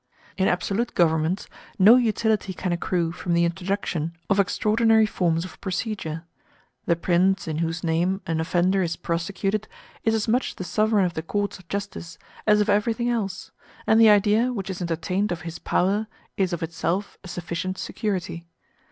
In absolute governments no utility can accrue from the introduction of extraordinary forms of procedure; the prince in whose name an offender is prosecuted is as much the sovereign of the courts of justice as of everything else, and the idea which is entertained of his power is of itself a sufficient security.